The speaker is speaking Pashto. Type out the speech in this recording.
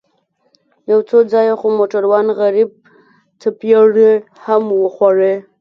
يو څو ځايه خو موټروان غريب څپېړې هم وخوړې.